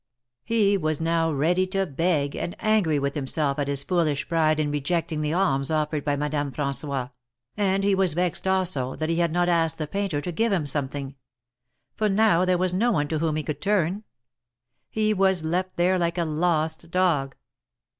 He was ready now to beg, and angry with himself at his foolish pride in rejecting the alms offered by Madame THE MARKETS OF PARIS. 53 Fran9ois, and he was vexed also that he had not asked the painter to give him something ; for now there was no one to whom he could turn. He was left there like a lost dog.